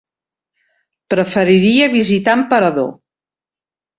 Preferiria visitar Emperador.